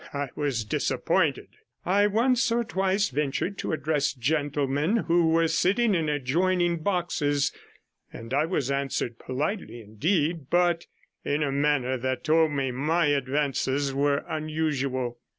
I was disappointed; I once or twice ventured to address gentlemen who were sitting in adjoining boxes, and I was answered, politely indeed, but in a manner that told me my advances were unusual.